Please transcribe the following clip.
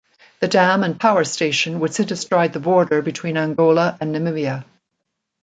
The dam and power station would sit astride the border between Angola and Namibia.